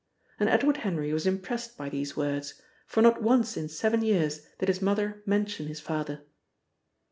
And Edward Henry was impressed by these words, for not once in seven years did his mother mention his father.